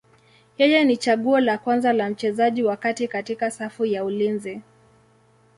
Yeye ni chaguo la kwanza la mchezaji wa kati katika safu ya ulinzi.